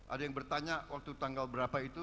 ada yang bertanya waktu tanggal berapa itu